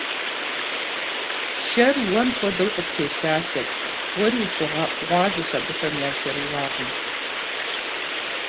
Шэр уэм хуэдэу къыттелъалъэрт: уэри ущыгъуазэщ абыхэм я шэрыуагъым!